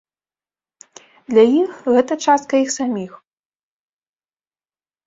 Для іх гэта частка іх саміх.